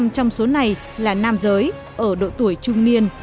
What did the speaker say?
một trăm linh trong số này là nam giới ở độ tuổi trung niên